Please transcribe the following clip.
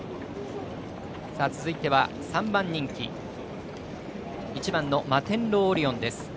続いては３番人気１番のマテンロウオリオンです。